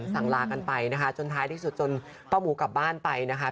สั่งลากันไปนะคะจนท้ายที่สุดจนป้าหมูกลับบ้านไปนะคะ